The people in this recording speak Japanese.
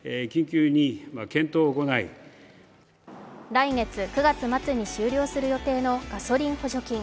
来月、９月末に終了する予定のガソリン補助金。